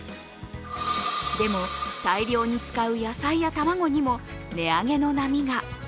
でも大量に使う野菜や卵にも値上げの波が。